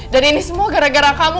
dan ini semua gara gara kamu